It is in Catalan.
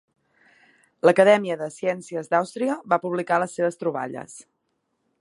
L'Acadèmia de Ciències d'Àustria va publicar les seves troballes.